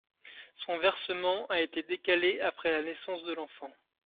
Son versement a été décalé après la naissance de l’enfant.